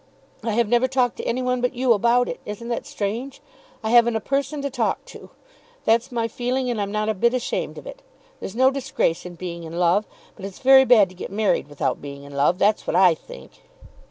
I have never talked to any one but you about it. Isn't that strange? I haven't a person to talk to. That's my feeling, and I'm not a bit ashamed of it. There's no disgrace in being in love. But it's very bad to get married without being in love. That's what I think."